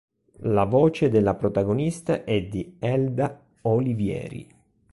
La voce della protagonista è di Elda Olivieri.